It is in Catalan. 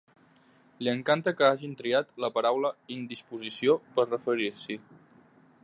Li encanta que hagin triat la paraula indisposició per referir-s'hi.